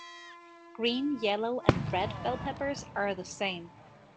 Green, yellow and red bell peppers are the same.